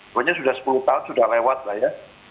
pokoknya sudah sepuluh tahun sudah lewat lah ya